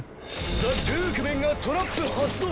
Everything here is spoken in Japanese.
ザ・ルークメンがトラップ発動！